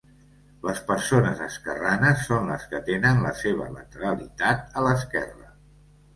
Les persones esquerranes són les que tenen la seva lateralitat a l'esquerra.